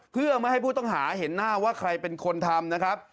เพื่อไม่ให้ผู้ต้องหาเห็นหน้าว่าใครเป็นคนทำนะครับ